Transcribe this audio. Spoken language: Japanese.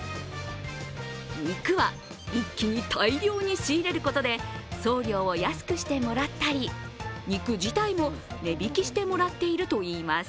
肉は一気に大量に仕入れることで送料を安くしてもらったり、肉自体も値引きしてもらっているといいます。